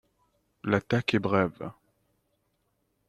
L’attaque est brève.